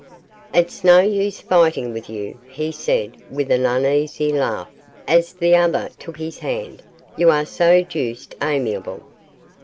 'It's no use fighting with you,' he said, with an uneasy laugh, as the other took his hand, 'you are so deuced amiable.